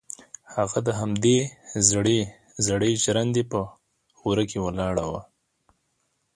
هغه د همدې زړې ژرندې په وره کې ولاړه وه.